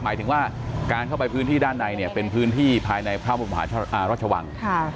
หมายถึงว่าการเข้าไปพื้นที่ด้านในเนี่ยเป็นพื้นที่ภายในพระบรมหาราชวัง